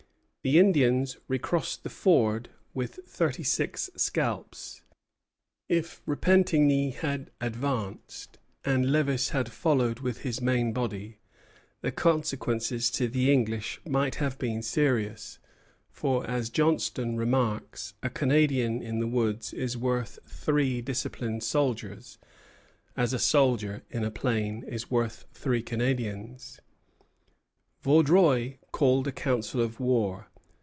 The Indians recrossed the ford with thirty six scalps. If Repentigny had advanced, and Lévis had followed with his main body, the consequences to the English might have been serious; for, as Johnstone remarks, "a Canadian in the woods is worth three disciplined soldiers, as a soldier in a plain is worth three Canadians." Vaudreuil called a council of war.